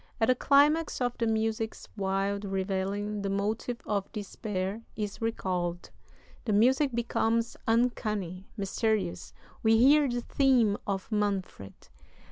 At the climax of the music's wild revelling the motive of despair is recalled; the music becomes uncanny, mysterious; we hear the theme of Manfred.